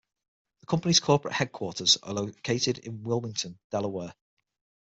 The company's corporate headquarters are located in Wilmington, Delaware.